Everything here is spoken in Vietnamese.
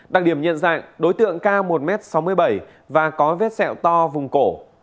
đặc điểm nhận dạng đối tượng cao một m sáu mươi bảy và có vết sẹo to vùng cổ